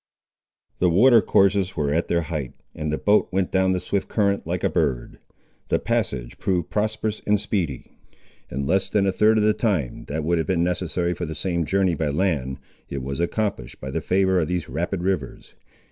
The water courses were at their height, and the boat went down the swift current like a bird. The passage proved prosperous and speedy. In less than a third of the time, that would have been necessary for the same journey by land, it was accomplished by the favour of those rapid rivers.